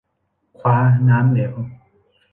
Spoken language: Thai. คว้าน้ำเหลว